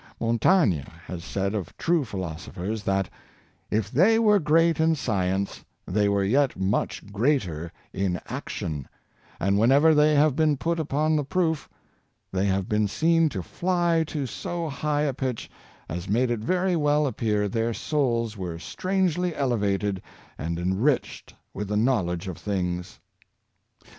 Montaigne has said of true philosophers that " if they were great in science, they were yet much greater in action; and whenever they have been put II 162 Speculative and Practical Ability. upon the proof, they have been seen to fly to so high a pitch, as made it very well appear their souls were strangely elevated and enriched with the knowledge of things."